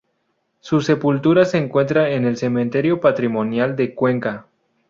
Su sepultura se encuentra en el Cementerio Patrimonial de Cuenca.